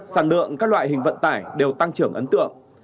sản lượng các loại hình vận tải đều tăng trưởng ấn tượng